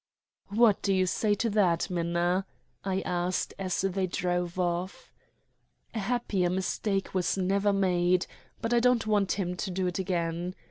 "What do you say to that, Minna?" I asked as they drove off. "A happier mistake was never made, but I don't want him to do it again.